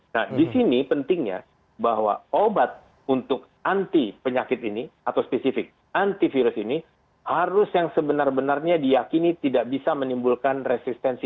nah di sini pentingnya bahwa obat untuk anti penyakit ini atau spesifik antivirus ini harus yang sebenar benarnya diakini tidak bisa menimbulkan resistensi